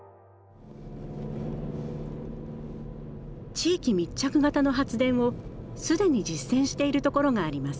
地域密着型の発電を既に実践している所があります。